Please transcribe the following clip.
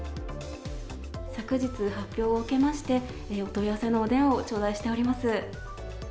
昨日発表を受けまして、お問い合わせのお電話を頂戴しております。